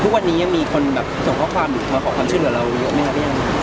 ทุกวันนี้ยังมีคนส่งข้อความขอความชื่นกับเราเยอะไหมครับ